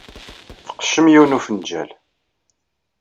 Tqeccem yiwen n ufenjal.